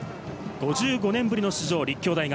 ５５年ぶりの出場、立教大学。